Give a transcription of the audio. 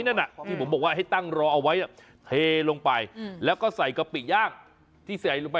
นั่นที่ผมบอกว่าให้ตั้งรอเอาไว้เทลงไปแล้วก็ใส่กะปิย่างที่ใส่ลงไป